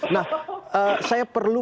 nah saya perlu